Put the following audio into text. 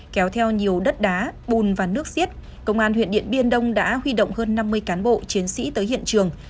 kéo theo nhiều đất đá bùn và nước xiết công an huyện điện biên đông đã huy động hơn năm mươi cán bộ chiến sĩ tới hiện trường